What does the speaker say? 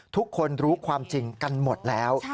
ทุกคนรู้ความจริงกันหมดแล้ว